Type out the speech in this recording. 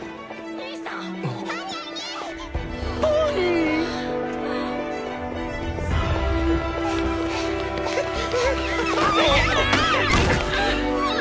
兄さんっ！！